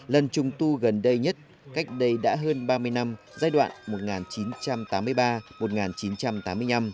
lần trùng tu gần đây nhất cách đây đã hơn ba mươi năm giai đoạn một nghìn chín trăm tám mươi ba một nghìn chín trăm tám mươi năm